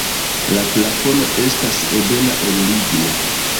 La plafono estas ebena el ligno.